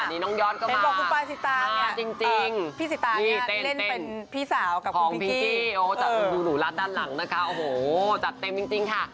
นี่น้องยอดก็มาจริงพี่สิตาเนี่ยเล่นเป็นพี่สาวกับคุณพิ้งกี้โอ้โฮจัดเต็มจริงค่ะ